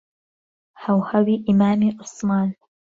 هەوهەوی ئیمامیعوسمان